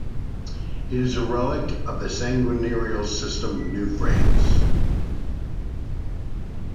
It is a relic of the seigneurial system of New France.